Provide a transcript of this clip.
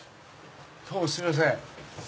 どうもすいません。